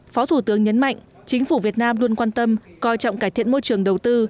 phó thủ tướng nhấn mạnh chính phủ việt nam luôn quan tâm coi trọng cải thiện môi trường đầu tư